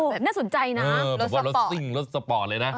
แบบน่าสนใจนะรถสปอร์ตรถสปอร์ตเลยนะ